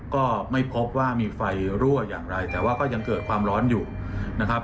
ก็ไม่พบว่ามีไฟรั่วอย่างไรแต่ว่าก็ยังเกิดความร้อนอยู่นะครับ